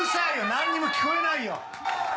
何にも聞こえないよ！